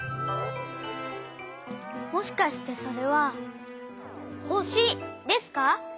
もしかしてそれはほしですか？